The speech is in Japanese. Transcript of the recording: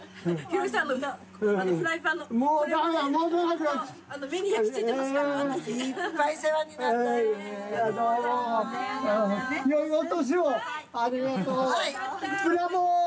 呂ぁありがとう。